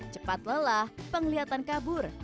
cepat lelah penglihatan kabur